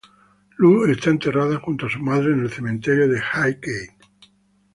Lou está enterrada junto a su madre en el cementerio de Highgate.